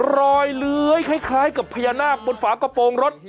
เลื้อยคล้ายกับพญานาคบนฝากระโปรงรถ